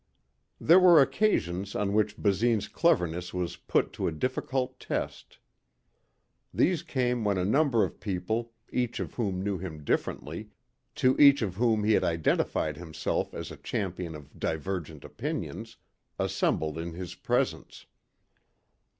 There were occasions on which Basine's cleverness was put to a difficult test. These came when a number of people, each of whom knew him differently, to each of whom he had identified himself as a champion of divergent opinions, assembled in his presence.